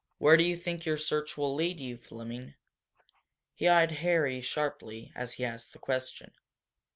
Where do you think your search will lead you, Fleming?" He eyed Harry sharply as he asked the question.